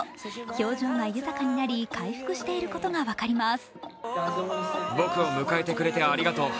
表情が豊かになり回復していることが分かります。